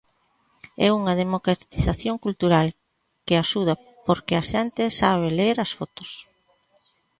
É unha democratización cultural que axuda porque a xente sabe ler as fotos.